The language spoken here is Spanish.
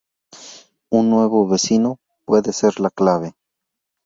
Un nuevo vecino, puede ser la clave.